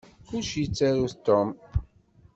Kullec yettaru-t Tom.